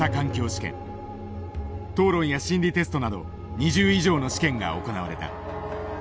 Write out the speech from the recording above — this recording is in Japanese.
討論や心理テストなど２０以上の試験が行われた。